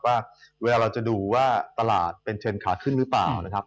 ว่าเวลาเราจะดูว่าตลาดเป็นเทรนดขาขึ้นหรือเปล่านะครับ